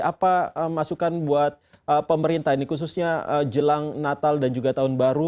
apa masukan buat pemerintah ini khususnya jelang natal dan juga tahun baru